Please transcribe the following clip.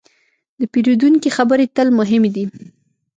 د پیرودونکي خبرې تل مهمې دي.